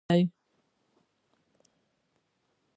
د خوشحال خان ژوند هم تاریخي دی.